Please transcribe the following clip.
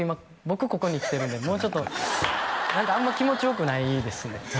ここに来てるんでもうちょっと何かあんま気持ちよくないですね